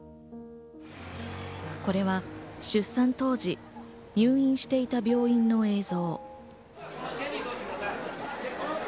これは出産当時入院していた病院の映像。